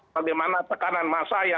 bagaimana tekanan massa yang